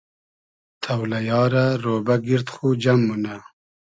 تۆلئیا رۂ رۉبۂ گیرد خو جئم مونۂ